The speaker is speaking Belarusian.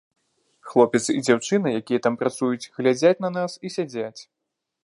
Хлопец і дзяўчына, якія там працуюць, глядзяць на нас і сядзяць.